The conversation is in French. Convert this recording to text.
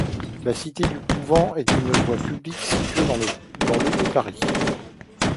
La cité du Couvent est une voie publique située dans le de Paris.